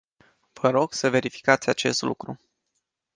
Vă rog să verificați acest lucru.